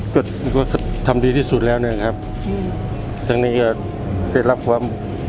ก็ทำดีที่สุดแล้วนะครับทางนี้ก็ได้รับความ